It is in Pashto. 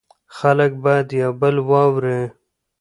خلک باید یو بل واوري.